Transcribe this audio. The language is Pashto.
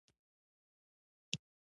جنګ ته تیار یاست.